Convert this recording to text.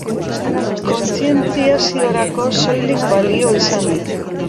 Kontzientziaziorako soilik balio izan dit.